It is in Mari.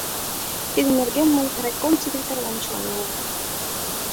Тидын нерген мый райком секретарьлан чыла ойлем.